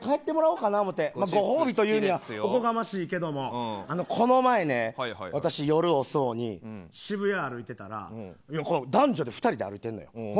ゴシップというご褒美というにはおこがましいけどこの前、夜遅くに渋谷を歩いていたら男女で２人で歩いてるのよ。